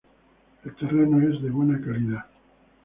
El terreno es de buena calidad.